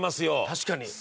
確かに。